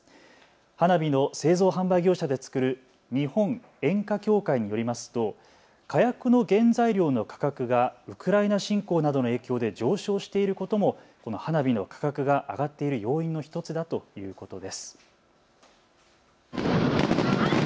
花火の製造販売業者で作る日本煙火協会によりますと火薬の原材料の価格がウクライナ侵攻などの影響で上昇していることもこの花火の価格が上がっている要因の１つだということです。